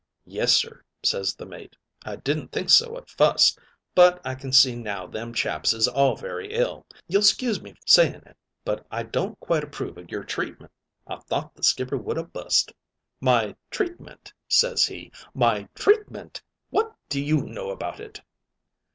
"'Yes, sir,' ses the mate. 'I didn't think so at fust, but I can see now them chaps is all very ill. You'll s'cuse me saying it, but I don't quite approve of your treatment.' "I thought the skipper would ha' bust. "'My treatment?' ses he. 'My treatment? What do you know about it?'